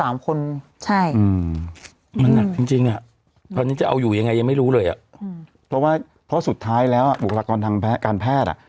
มันใกล้พันธุ์เยอะมาก